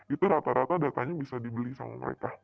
itu rata rata datanya bisa dibeli sama mereka